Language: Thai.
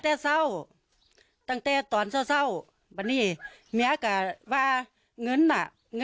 ภรรยาก็บอกว่านายเทวีอ้างว่าไม่จริงนายทองม่วนขโมยกระปุกออมสินเนี่ยเมียยืนยันเลยว่าไม่จริงนายทองม่วนขโมย